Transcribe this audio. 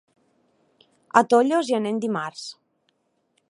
A Tollos hi anem dimarts.